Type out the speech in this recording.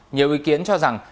nhiều ý kiến cho rằng